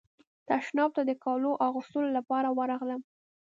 تشناب ته د کالو اغوستلو لپاره ورغلم.